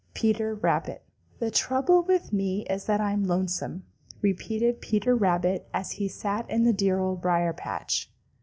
Peter Rabbit. "The trouble with me is that I'm lonesome," repeated Peter Rabbit as he sat in the dear Old Briar patch.